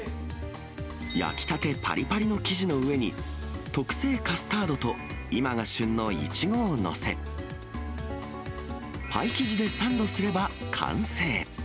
焼きたてぱりぱりの生地の上に、特製カスタードと、今が旬のいちごを載せ、パイ生地でサンドすれば完成。